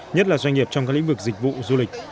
nhất là doanh nghiệp trong các lĩnh vực dịch vụ du lịch